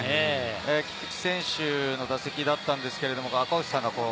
菊池選手の打席だったんですけれど、赤星さんが。